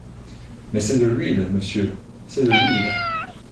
Mais c’est de l’huile… monsieur… c’est de l’huile !